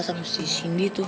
sama si cindy tuh